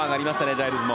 ジャイルズも。